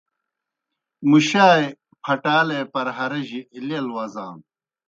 مُشائے پھٹالے پرہَرِجیْ لیل وزانوْ۔